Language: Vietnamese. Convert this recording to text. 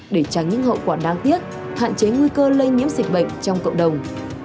để tránh những hậu quả đáng tiếc hạn chế nguy cơ lây nhiễm dịch bệnh trong cộng đồng